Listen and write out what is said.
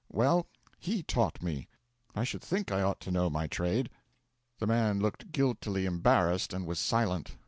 Well, he taught me! I should think I ought to know my trade!" 'The man looked guiltily embarrassed, and was silent.